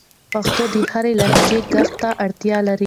د پښتو د هرې لهجې ږغ ته اړتیا ده.